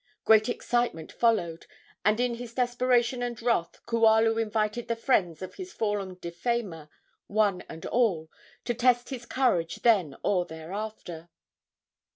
Great excitement followed, and in his desperation and wrath Kualu invited the friends of his fallen defamer, one and all, to test his courage then or thereafter.